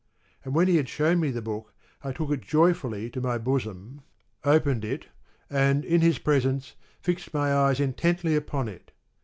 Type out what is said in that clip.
And when he had shewn me the book, I took it joyfully to my bosom, opened it, and in his presence fixed my eyes intently upon it.